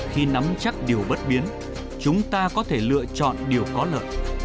khi nắm chắc điều bất biến chúng ta có thể lựa chọn điều có lợi